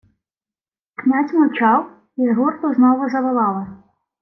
Князь мовчав, і з гурту знову заволали: